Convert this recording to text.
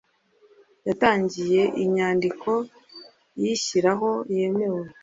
yatangiye inyandiko iyishyiraho yemewe